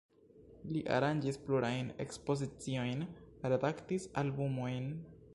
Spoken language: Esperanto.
Li aranĝis plurajn ekspoziciojn, redaktis albumojn.